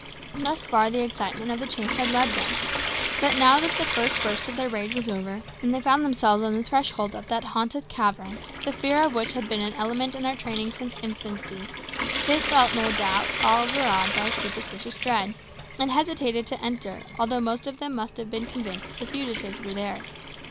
Thus far the excitement of the chase had led them; but now that the first burst of their rage was over, and they found themselves on the threshold of that haunted cavern, the fear of which had been an element in their training from infancy, they felt, no doubt, overawed by superstitious dread, and hesitated to enter, although most of them must have been convinced that the fugitives were there.